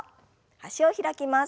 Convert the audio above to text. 脚を開きます。